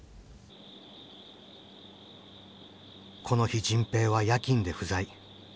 この日迅平は夜勤で不在。